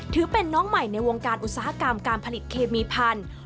ถือเป็นน้องใหม่ในวงการอุตสาหกรรมการผลิตเคมีพันธุ์